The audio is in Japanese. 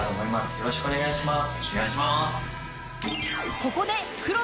よろしくお願いします。